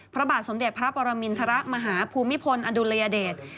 พระบาทสมเด็จพระปรมินทรมาฮภูมิพลอดุลยเดช